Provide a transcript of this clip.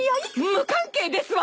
無関係ですわ！